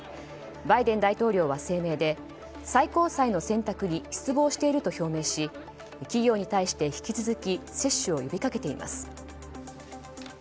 バイデン大統領は声明で最高裁の選択に失望していると表明し企業に対して、引き続き接種を呼びかけています。